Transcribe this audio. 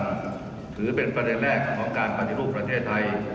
ถือเป็นประเด็นแรกของการปฏิรูปประเทศไทย